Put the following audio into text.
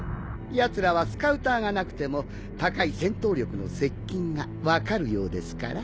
やつらはスカウターがなくても高い戦闘力の接近が分かるようですから。